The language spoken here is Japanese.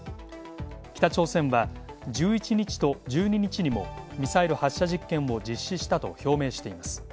北朝鮮は１１日と１２日にもミサイル発射実験を実施したと表明しています。